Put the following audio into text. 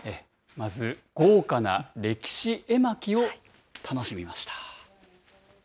まず豪華な歴史絵巻を楽しみました。